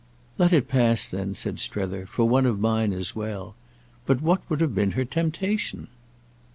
"Let it pass then," said Strether, "for one of mine as well. But what would have been her temptation?"